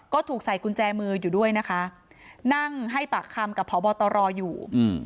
ก็ถูกใส่กุญแจมืออยู่ด้วยนะคะนั่งให้ปากคำกับพบตรอยู่อืม